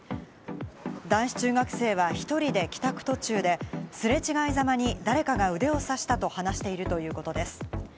男子中学生は１人で帰宅途中で、すれ違いざまに誰かが腕を刺したと話しているということです。